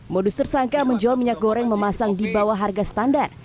modus tersangka menjual minyak goreng memasang di bawah harga standar